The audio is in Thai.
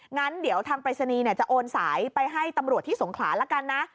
งั้นเดี๋ยวทางปริศนีย์จะโอนสายไปให้ตำรวจที่สงขลาละกันนะ